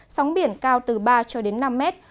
sóng biển cao từ ba cho đến năm mét